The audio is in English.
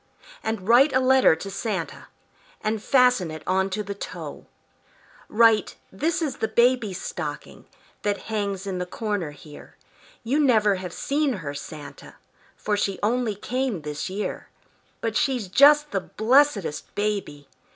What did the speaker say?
And write a letter to Santa, And fasten it on to the toe. Write, "This is the baby's stocking That hangs in the corner here; You never have seen her, Santa, For she only came this year; But she's just the blessedest baby!